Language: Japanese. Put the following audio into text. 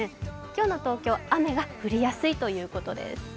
今日の東京、雨が降りやすいということです。